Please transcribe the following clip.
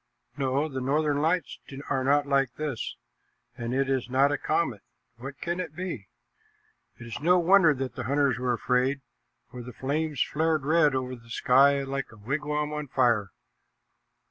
"No, the northern lights are not like this, and it is not a comet. What can it be?" It is no wonder that the hunters were afraid, for the flames flared red over the sky like a wigwam on fire.